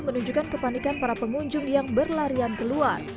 menunjukkan kepanikan para pengunjung yang berlarian keluar